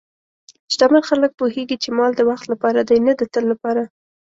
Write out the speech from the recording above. شتمن خلک پوهېږي چې مال د وخت لپاره دی، نه د تل لپاره.